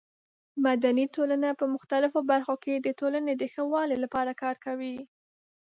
مدني ټولنه په مختلفو برخو کې د ټولنې د ښه والي لپاره کار کوي.